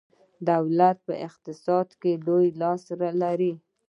دولت په اقتصاد کې لوی لاس لري.